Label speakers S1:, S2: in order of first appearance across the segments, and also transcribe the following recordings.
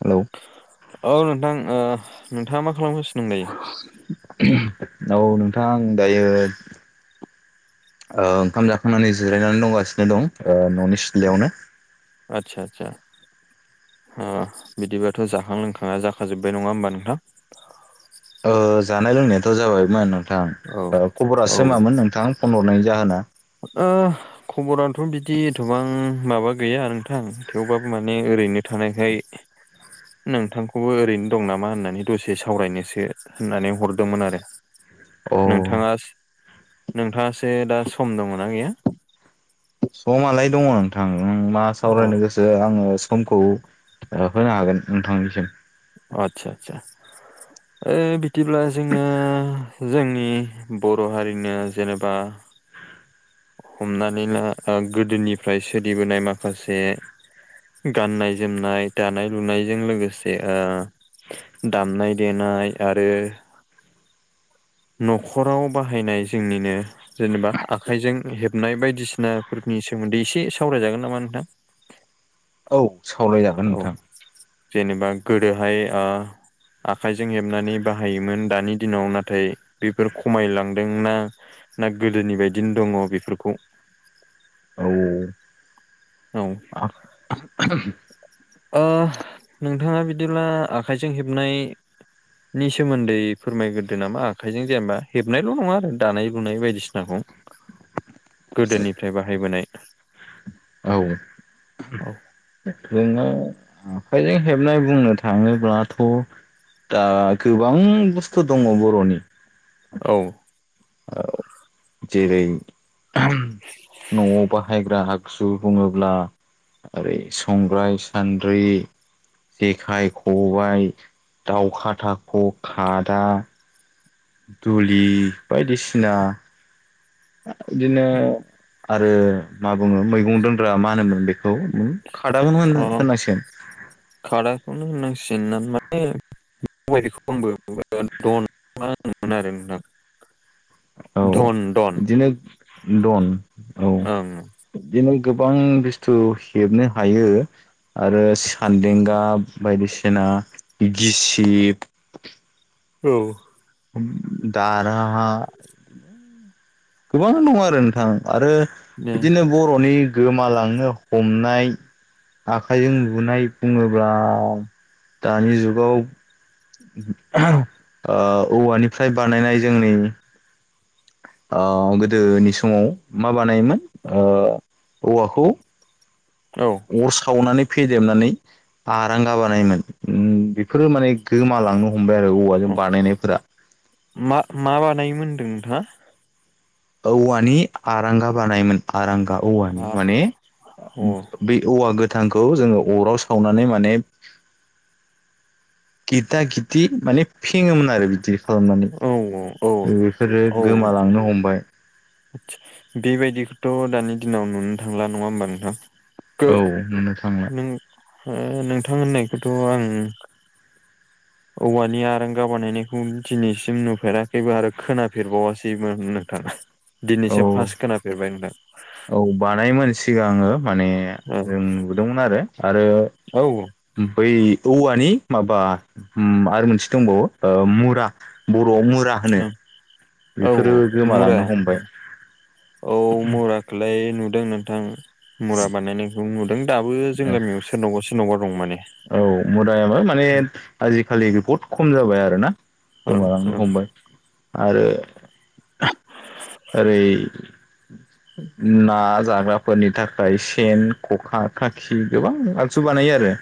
S1: Hello
S2: औ नोंथां ओ नोंथाङा मा खालामगासि
S1: औ नोंथां आं दायो। ओ ओंखाम जाखांनानै जिरायनानै दंगासिनो दं, ओ न'नि सिथ्लायावनो।
S2: आतसा आतसा। ओ बिदिबाथ' जाखां लोंखाङा जाखाजोब्बाय नङा होमबा नोंथां?
S1: ओ जानाय लोंनायाथ' जाबायमोन
S2: औ
S1: नोंथां
S2: औ
S1: खबरासो मामोन नोंथां? फन हरनायनि जाहोना?
S2: ओ खबराथ' बिदि एथबां माबा गैया नोंथां थेवबाबो माने ओरैनो थानायखाय नोंथांखौबो ओरैनो दं नामा होननानै दसे सावरायनोसो होननानै हरदोंमोन आरो। नोंथाङा
S1: अ
S2: नोंथाङासो दा सम दङ ना गैया?
S1: समालाय दङ नोंथां नों मा
S2: अ
S1: सावरायनो गोसो ओ आङो समखौ होनो हागोन नोंथांनिसिम
S2: आतसा आतसा। ओ बिदिब्ला जोङो जोंनि बर' हारिनि जेनेबा हमनानै ला गोदोनिफ्राय सोलिबोनाय माखासे गाननाय जोमनाय, दानाय लुनायजों लोगोसे आ दामनाय देनाय आरो न'खराव बाहायनाय जोंनिनो जेनेबा आखाइजों हेबनाय बायदिसिनाफोरनि सोमोन्दै एसे सावरायजागोन नामा नोंथां?
S1: औ। सावयजा
S2: औ जेनेबा गोदोहाय ओ आखाइजों हेबनानै बाहायोमोन, दानि दिनाव नाथाय बेफोर खमायलांदोंना ना गोदोनि बायदिनो दङ बेफोरखौ
S1: औ।
S2: औ।
S1: [inaudible]
S2: ओ नोंथाङा बिदिब्ला आखाइजों हेबनाय नि सोमोन्दै फोरमायग्रोदो नामा। आखाइजों जेनेबा हेबनायल' नङा आरो दानाय लुनाय बायदिसिनाखौ गोदोनिफ्राय बाहायबोनाय औ।
S1: नोंनाव आखाइजों हेबनाय बुंनो थाङोब्लाथ' दा गोबां बुस्थु दङ बर'नि।
S2: औ।
S1: औ जेरै न'आव बाहायग्रा आ गजु बुङोब्ला ओरै संग्राय, सान्द्रि,। जेखाइ, खबाय, दाउ खाथाख', खादा दुलि बायदिसिना बिदिनो आरो मा बुङो मैगं दोनग्रा मा होनोमोन बेखौ? औ खादामोन
S2: अ
S1: होननांसिगोन।
S2: खादाखौनो होननांसिगोन [inaudible] [unintelligible]
S1: औ
S2: धन धन
S1: बिदिनो दन औ
S2: औं।
S1: बिदिनो गोबां बुस्थु हेबनो हायो। आरो सान्देंगा बायदिसिना गिसिब
S2: औ।
S1: दारहा गोबां दं आरो नोंथां आरो
S2: औ
S1: बिदिनो बर'नि गोमालांनो हमनाय। आखाइजों लुनाय बुङोब्ला दानि जुगाव औवानिफ्राय बानायनाय जोंनि गोदोनि समाव मा बानायोमोन? औवाखौ
S2: औ।
S1: अर सावनानै फेदेबनानै बारां गाबानायमोन। बेफोरो माने गोमालांनो हमबाय आरो
S2: औ
S1: औवाजों बानायनायफोरा।
S2: मा मा बानायोमोन्दों नोंथाङा?
S1: औवानि आरांगा बानायमोन आरांगा। औवानि
S2: अ
S1: माने
S2: औ
S1: बे औवा गोथांखौ जोङो अराव सावनानै माने गिथा गित माने फिङोमोन आरो बिदि। खालामनानै
S2: औ औ
S1: बेफोरो गोमालांनो हमबाय।
S2: आदसा बेबायदिखौथ' दानि दिनाव नुनो थांला नङा होमबा नोंथां। गो
S1: औ नुनो थांला।
S2: नों नोंथां होननायखौथ' आं औवानि आरगा बानायनायखौ दिनैसिम नुफेराखैबो आरो खोनाफेरबावासैमोन नोंथाङ।
S1: औ
S2: दिनैसिम फार्स्ट खोनाफेरबाय नोंथां।
S1: औ बानायोमोन सिगाङो आङो। माने
S2: औ
S1: जों नुदोंमोन आरो आरो
S2: औ
S1: बै औवानि माबा आरो मोनसे दंबावो मुरा बर'आव मुरा होनो।
S2: औ
S1: बेफोरो
S2: औ मुरा
S1: गोमालांनो हमबाय
S2: औ मुराखौलाय नुदों नोंथां मुरा बानायनायखौ नुदों दाबो जों गामियाव सोरनावबा सोरनावबा दं माने
S1: औ मुदायाबो माने आजिखालि बहुद खम जाबाय आरो ना
S2: ओं
S1: गोमालांनो
S2: ओं
S1: हमबाय आरो ओरै ना जाग्राफोरनि थाखाय सेन खखा खाखि गोबां आगजु बानायो आरो।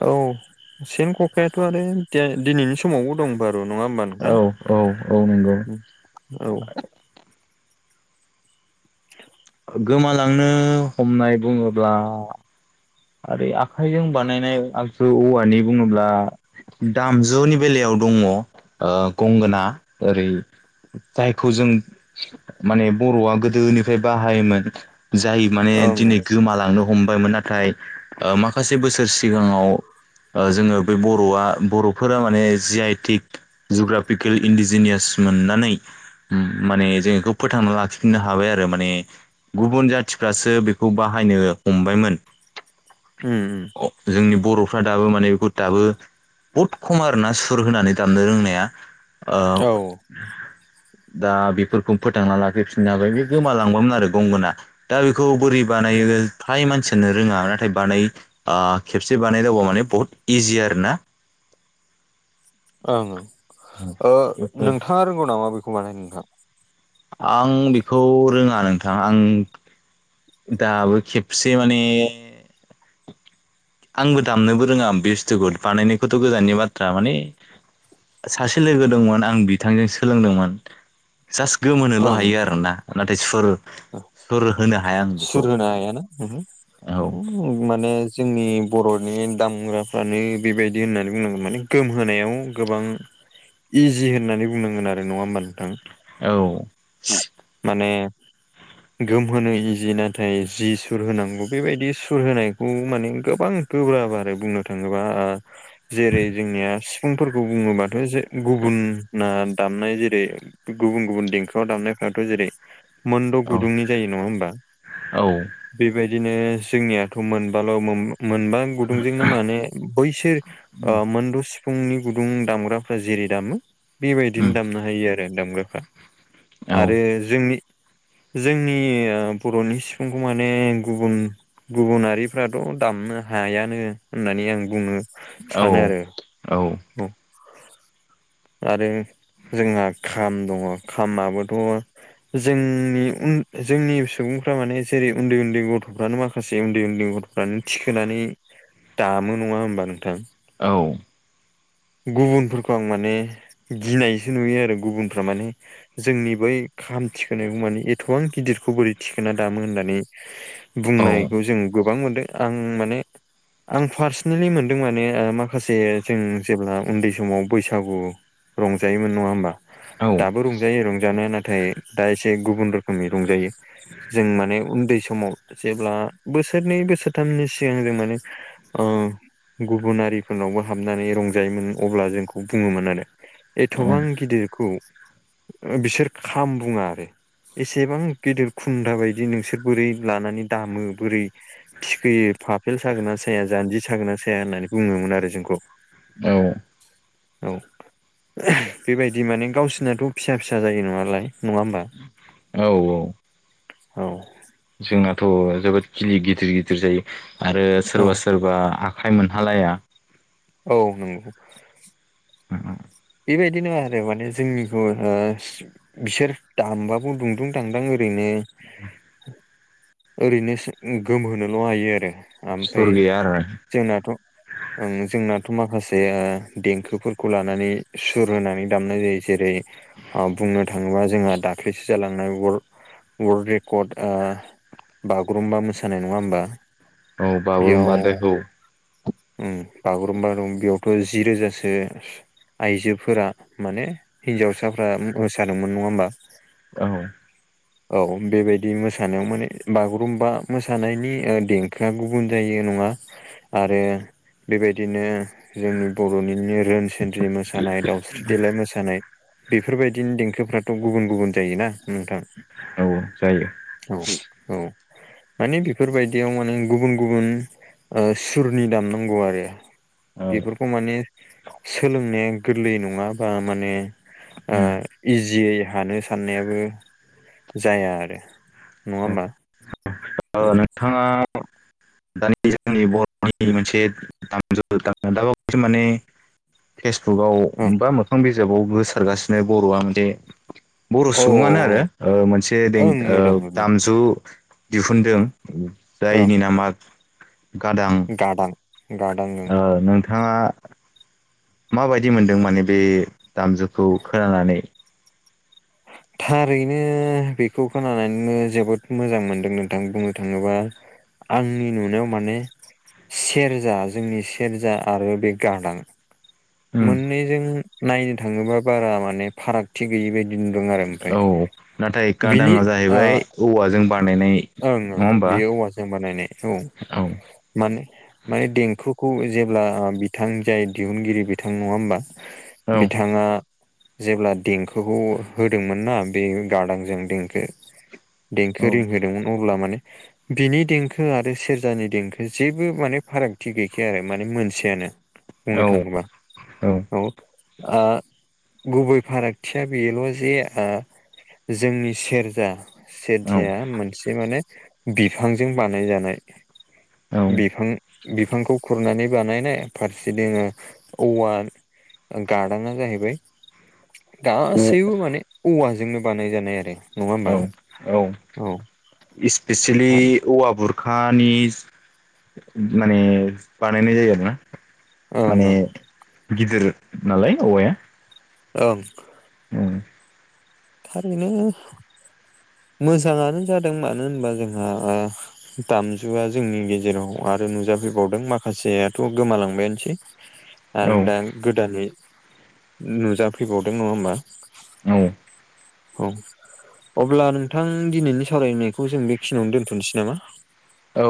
S2: औ सेन ककायाथ' आरो दिनैनि समावबो दं बार' नङा होनोमबा
S1: औ औ औ नंगौ।
S2: औ ओं
S1: गोमालांनो हमनाय बुङोब्ला आरो आखाइजों बानायनाय आगसु औवानि बुङोब्ला दामजुनि बेलायाव दङ गंगोना ओरै जायखौ जों माने बर'आ गोदोनिफ्राय बाहायोमोन जाय माने
S2: ओं
S1: दिनै गोमालांनो हमबायमोन नाथाय माखासे बोसोर सिगाङाव जोङो बे बर'आ बर'फोरा माने जि आइटिक जुग्राफिकेल इन्डिजिनियास मोननानै माने जों बेखौ फोथांना लाखिफिननो हाबाय आरो माने गुबुन जाथिफ्रासो बेखौ बाहायनो हमबायमोन
S2: उम उम
S1: जोंनि बर'फ्रा दाबो माने बेखौ दाबो बहुद खम आरोना सुर होनानै दामनो रोंनाया।
S2: औ ओं
S1: दा बेफोरखौ फोथांना लाखैफिननो हाबाय बे गोमालांबामोन आरो गंगोना दा बेखौ बोरै बानायो फ्राय मानसियानो रोङा नाथाय बानाय खेबसे बानायदावबा माने बहुत इजि आरोना।
S2: ओं ओं
S1: बेफोर।
S2: नोंथाङा रोंगौ नामा बेखौ बानाय नोंथां?
S1: आं बेखौ रोङा नोंथां आं दाबो खेबसे माने आंबो दामनोबो रोङा बस्थुखौ बानायनायखौथ' गोजाननि बाथ्रा माने सासे लोगो दंमोन आं बिथांजों सोलोंदोंमोन जास्ट गोमोनोल'
S2: ओं
S1: हायो आरो ना नाथाय सोर सोर होनो ह
S2: सुर होनो हायाना
S1: औ
S2: माने जोंनि बर'नि दामग्राफ्रानो बेबायदि होननानै बुंनांगोन माने गोमहायाव गोबां इजि होननानै बुंनांगोन आरो नङा होमबा नोंथां।
S1: औ
S2: माने गोमहोनो इजि नाथाय जि सुर होनांगौ बेबायदि सुर होनायखौ माने गोबां गोब्रााब बारै बुंनो थाङोबा जेरै जोंनिया सिफुंफोरखौ बुङोबाथ' जे गुबुना दामनाय जेरै गुबुन गुबुन देंखोआव दामनाय थ' जेरै मोनद'
S1: औ
S2: गुदुंनि जायो नङा होमबा
S1: औ
S2: बेबायदिनो जोंनियाथ' मोनबाल' मोनबा गुदुंजोंनो माने बैसोर ओ मोनदु सि फुंनि गुदुं दामग्राफ्रा जेरै दामो बेबायदिनो
S1: उम
S2: दामनो हायो आरो दामग्राफ्रा आरो
S1: औ
S2: जोंनि जोंनि ओ बर'नि सिफुंखौ माने गुबुन गुबुनारिफ्राथ' दामनो हायानो होननानै आं बुङो
S1: औ औ
S2: औ आरो जोंहा खाम दङ खामाबोथ' जोंनि उ जोंनि सुबुंफ्रा माने जेरै उन्दै उन्दै गथ'फ्रानो माखासे उन्दै उन्दै गथ' फ्रानो थिखोनानै दामो नङा होमबा नोंथां
S1: औ
S2: गुबुनफोरखौ आं माने गिनायसो नुयो आरो गुबुनफ्रा माने जोंनि बै खाम थिखोनायखौ माने एथ'बां गिदिरखौ बोरै थिखोना दामो होननानै बुंनायखौ जों गोबां मोनदों आं माने आं पार्सनेलि मोनदों माने माखासे जों जेब्ला उन्दै समाव बैसागु रंजायोमोन नङा होमबा
S1: औ
S2: दाबो रंजायो रंजानाया नाथाय दा एसे गुबुन रोखोमनि रंजायो।
S1: [inaudible]
S2: जों माने उन्दै समाव जेब्ला बोसोरनै बोसोरथामनि सिगां जों माने ओ गुबुनारिफोरनावबो हाबनानै रं जायोमोन अब्ला जोंखौ बुङोमोन आरो एथ'बां
S1: औ
S2: गिदिरखौ बिसोर खाम बुङा आरो एसेबां गेदेर खुन्द्रा बायदि नोंसोर बोरै लानानै दामो बोरै थिखोयो फाफेल सागोना साया जान्जि सागोना साया होननानै बुङोमोन आरो जोंखौ
S1: औ
S2: औ बेबायदि माने गावसोरनाथ' फिसा फिसा जायो नङालाय नङा होमबा
S1: औ
S2: औ
S1: जोंनाथ' जोबोद खिलि गिदिर गिदिर जायो आरो
S2: औ
S1: सोरबा सोरबा जेनबा आखाइ मोनहालाया
S2: औ नंगौ
S1: औ
S2: बेबायदि नङा आरो माने जोंनिखौ ओम बिसोर दामबाबो दुंदुं दांदां ओरैनो ओरैनो सो गोमहोनोल' हायो आरो
S1: सुर
S2: ओमफ्राय
S1: गैया आरो
S2: जोंनाथ' ओ जोंनाथ' माखासे देंखोफोरखौ लानानै सुर होनानै दामनाय जायो जेरै ओ बुंनो थाङोबा जोंहा दाख्लैसो जालांनाय वर्ल्ड वर्ल्ड रेकर्ड ओ बागुरुम्बा मोसानाय नङा होमबा
S1: औ
S2: बेयाव
S1: बागुरुम्बा दोहौ
S2: उ बागुरुम्बा दं बेयावथ' जि रोजासो आइजोफोरा माने हिन्जावसाफ्रा मोसादोंमोन नङा होमबा।
S1: औ
S2: औ बेबायदि मोसानायाव माने बागुरुम्बा मोसानायनि ओ देंखोआ गुबुन जायो नङा आरो बेबायदिनो जोंनि बर'निनो रो दि मोसानाय दावस्रि देलाय मोसानाय बेफोरबायदिनि देंखोफ्राथ' गुबुन गुबुन जायोना। नोंथां
S1: औ जायो
S2: औ औ माने बेफोरबायदियाव माने गुबुन गुबुन सुरनि दाम नांगौ आरो
S1: औ
S2: बेफोरखौ माने सोलोंनाया गोरलै नङा बा माने इजियै हानो साननायाबो जाया आरो नङा होमबा
S1: नोंथाङा दानि जोंनि बर'नि मोनसे दामजु दा बावसो माने फेसबुकआव
S2: औ
S1: बा मोखां बिजाबाव होसारगासिनो बर'आ म दे बर'
S2: औ औ
S1: सुबुङानो
S2: औ
S1: आरो मोनसे दें
S2: ओं
S1: ओ
S2: नुदों नुदों
S1: दामजु दिहुनदों
S2: ओं
S1: जायनि नामा गादां
S2: गादां गादां ओं
S1: ओ नोंथाङा माबायदि मोनदों माने बे दामजुखौ खोनानानै
S2: थारैनो बेखौ खोनानानैनो जोबोद मोजां मोनदों नोंथां बुंनो थाङोबा आंनि नुनायाव माने सेरजा जोंनि सेरजा आरो बे गादां
S1: उम
S2: मोननैजों नायनो थाङोबा बारा माने फारागथि गैयि बायदि नुदों आरो ओमफ्राय
S1: औ नाथाय
S2: बिनि
S1: गादाङा
S2: ओ
S1: जाहैबाय औवाजों बानायनाय
S2: ओं ओं
S1: नङा होमबा
S2: बेयो औवाजों बानायनाय औ मान माने देंखोखौ जेब्ला बिथां जाय दिहुनगिरि बिथां नङा होमबा
S1: औ
S2: बिथाङा जेब्ला देंखोखौ होदोंमोन ना बे गादांजों देंखो देंखो
S1: औ
S2: रिंहोदोंमोन अब्ला माने बिनि देंखो आरो सेरजानि देंखो जेबो माने फारागथि गैखाया आरो माने मोनसेयानो
S1: औ
S2: बुंनो थाङोबा
S1: औ
S2: औ गुबै फारागथिया बेल' जे ओ जोंनि सेरजा सेरजाया मोनसे माने बिफांजों बानायजानाय
S1: औ
S2: बिफां बिफांखौ खुरनानै बानायनाय फारसे दोङो औवा गार्डाना जाहैबाय गासैबो माने औवाजोंनो बानाय जानाय आरो नङा
S1: औ
S2: होमबा
S1: औ इस्पेसियेलि औवा बुरखानि माने बानायनाय जायो आरोना
S2: ओं
S1: माने
S2: ओं
S1: गिदिर नालाय औवाया
S2: ओं
S1: उम
S2: थारैनो मोजाङानो जादों मानो होनबा जोंहा दामजुआ जोंनि गेजेराव आरो नुजाफैबावदों माखासेयाथ' गोमालांबायानोसै
S1: औ
S2: आरो दा गोदानै नुजाफैबावदों नङा होमा
S1: औ
S2: औ अब्ला नोंथां दिनैनि सावरायनायखौ जों बेखिनियावनो दोनथ'नोसै नामा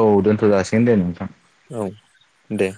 S1: औ दोनथ' जासिगोन दे नोंथां
S2: औ दे